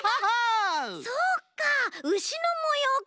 そうかウシのもようか。